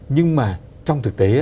nhưng mà trong thực tế